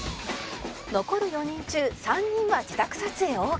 残る４人中３人は自宅撮影 ＯＫ